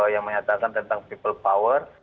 yang menyatakan tentang people power